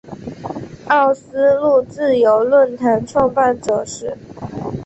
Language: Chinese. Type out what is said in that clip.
奥斯陆自由论坛创办者是。